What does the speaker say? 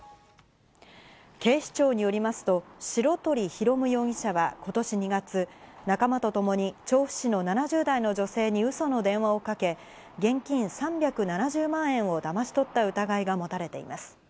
警視庁によりますと白鳥紘夢容疑者は、今年２月、仲間とともに調布市の７０代の女性に嘘の電話をかけ、現金３７０万円をだまし取った疑いが持たれています。